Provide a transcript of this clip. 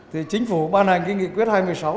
thì chính phủ ban hành cái nghị quyết hai mươi sáu